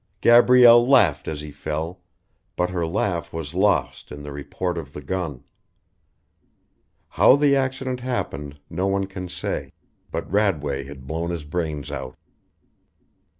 Gabrielle laughed as he fell, but her laugh was lost in the report of the gun. How the accident happened no one can say, but Radway had blown his brains out.